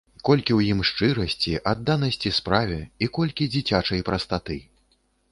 Колькі ў ім шчырасці, адданасці справе і колькі дзіцячай прастаты!